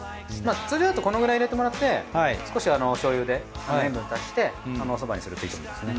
通常だとこのくらい入れてもらって少しお醤油で塩分を足しておそばにするといいと思いますね。